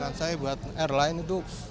tangan saya buat airline itu